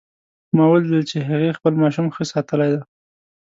ما ولیدل چې هغې خپل ماشوم ښه ساتلی ده